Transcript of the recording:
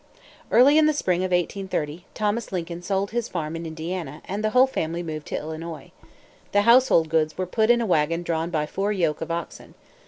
Early in the spring of 1830, Thomas Lincoln sold his farm in Indiana, and the whole family moved to Illinois. The household goods were put in a wagon drawn by four yoke of oxen.